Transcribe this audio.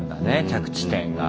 着地点が。